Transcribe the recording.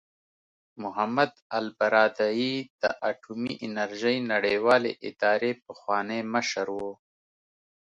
محمد البرادعي د اټومي انرژۍ نړیوالې ادارې پخوانی مشر و.